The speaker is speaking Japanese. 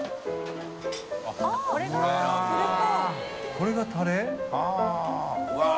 これがタレ？あっ。